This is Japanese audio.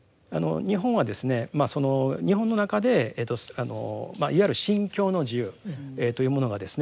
日本はですねまあその日本の中でいわゆる信教の自由というものがですね